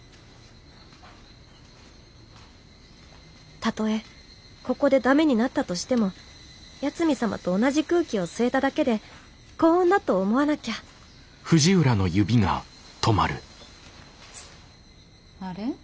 たとえここでダメになったとしても八海サマと同じ空気を吸えただけで幸運だと思わなきゃあれ？